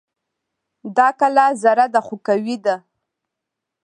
دا کلا زړه ده خو قوي ده